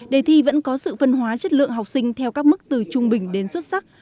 đề thi vẫn có sự phân hóa chất lượng học sinh theo các mức từ trung bình đến xuất sắc